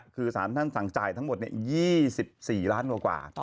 คือสารท่านสั่งจ่ายทั้งหมด๒๔ล้านกว่า